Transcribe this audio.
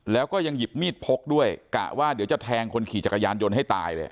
แล้วก็ยังหยิบมีดพกด้วยกะว่าเดี๋ยวจะแทงคนขี่จักรยานยนต์ให้ตายเลย